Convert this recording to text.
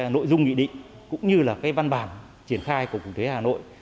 nội dung nghị định cũng như văn bản triển khai của cục thuế hà nội